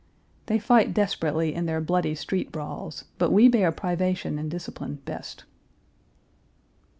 They fight desperately in their bloody street brawls, but we bear privation and discipline best.